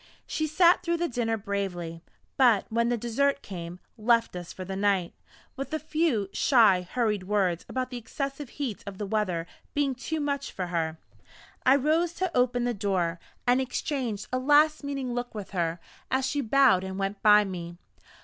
She sat through the dinner bravely; but, when the dessert came, left us for the night, with a few shy, hurried words about the excessive heat of the weather being too much for her. I rose to open the door, and exchanged a last meaning look with her, as she bowed and went by me.